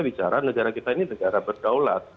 bicara negara kita ini negara berdaulat